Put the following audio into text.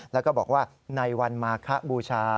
แล้วก็บอกว่าในวันมาคบูชา